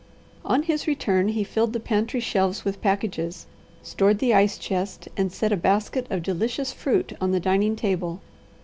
On his return he filled the pantry shelves with packages, stored the ice chest, and set a basket of delicious fruit on the dining table.